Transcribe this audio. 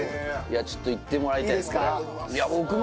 ちょっといってもらいたいです